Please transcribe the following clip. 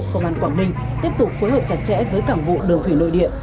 công an quảng ninh tiếp tục phối hợp chặt chẽ với cảng vụ đường thủy nội địa